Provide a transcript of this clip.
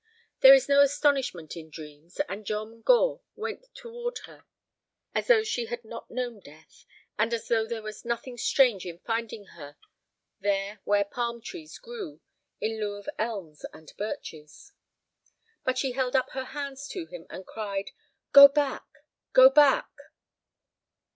There is no astonishment in dreams, and John Gore went toward her as though she had not known death, and as though there was nothing strange in finding her there where palm trees grew in lieu of elms and birches. But she held up her hands to him, and cried: "Go back—go back!"